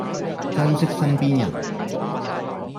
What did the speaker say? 珍惜身邊人